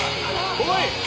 おい！